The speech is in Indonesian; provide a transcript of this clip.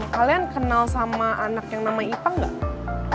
kalian kenal sama anak yang nama ipang gak